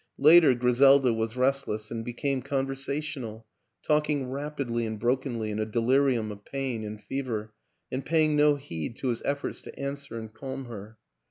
Later Griselda was restless and became conversational, talking rapidly and brokenly in a delirium of pain and fever and paying no heed to his efforts to answer and calm her.